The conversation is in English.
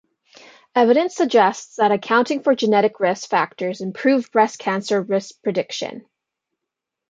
Evidence suggests that accounting for genetic risk factors improve breast cancer risk prediction.